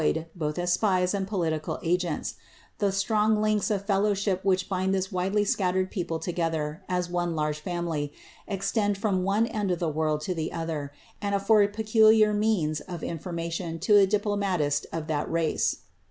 203 yed both as spies and political agents \ the strong links of fellow rhich bind this widely scattered people together, as one large I extend from one end of the world to the other, and aflbrd pecu * mns of information to a diplomatist of that race.